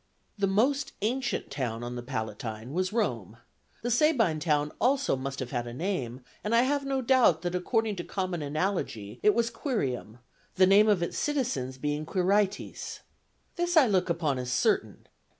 The most ancient town on the Palatine was Rome; the Sabine town also must have had a name, and I have no doubt that, according to common analogy, it was Quirium, the name of its citizens being Quirites. This I look upon as certain.